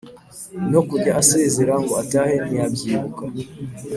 no kujya asezera ngo atahe ntiyabyibuka.